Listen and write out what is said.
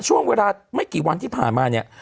ช่วงเวลาไม่กี่วันที่ผ่านมาเนี่ย